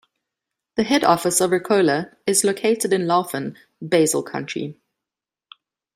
The head office of Ricola is located in Laufen, Basel-Country.